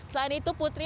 selain itu putri